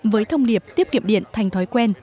với thông điệp tiếp kiệm điện thành thói quen